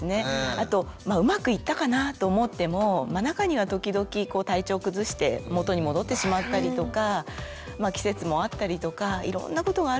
あとうまくいったかなぁと思っても中には時々体調崩して元に戻ってしまったりとか季節もあったりとかいろんなことがあるんです。